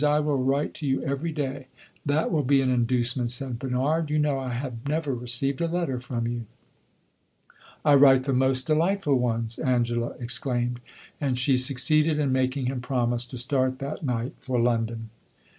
I will write to you every day." "That will be an inducement," said Bernard. "You know I have never received a letter from you." "I write the most delightful ones!" Angela exclaimed; and she succeeded in making him promise to start that night for London.